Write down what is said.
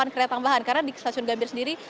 delapan kereta tambahan karena di stasiun gambir sendiri